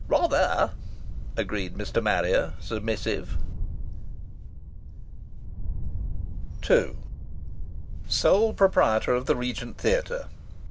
"Rather!" agreed Mr. Marrier, submissive. II "Sole proprietor of the Regent Theatre."